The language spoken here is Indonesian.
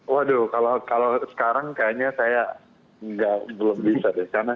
waduh kalau sekarang kayaknya saya belum bisa deh